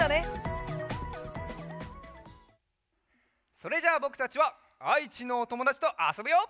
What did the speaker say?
それじゃあぼくたちはあいちのおともだちとあそぶよ！